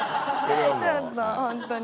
ちょっと本当に。